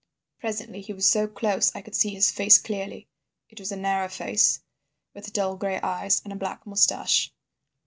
"Presently he was so close I could see his face clearly. It was a narrow face, with dull gray eyes, and a black moustache.